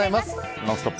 「ノンストップ！」